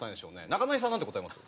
中谷さんなんて答えます？